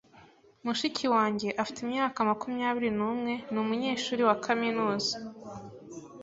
Mushiki wanjye afite imyaka makumyabiri numwe numunyeshuri wa kaminuza.